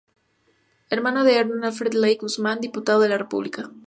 Hermano de Hernán Alfredo Leigh Guzmán, diputado de la República.